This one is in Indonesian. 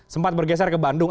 sempat bergeser ke bandung